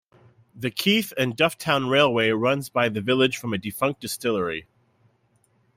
The Keith and Dufftown Railway runs by the village from a defunct distillery.